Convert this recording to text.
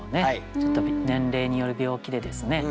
ちょっと年齢による病気でですね